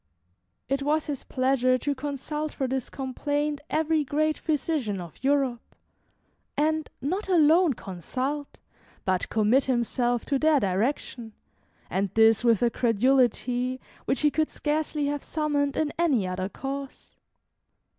It was his pleasure to consult for this complaint every great physician of Europe, and not alone consult, but commit himself to their direction, and this with a credulity which he could scarcely have summoned in any other cause.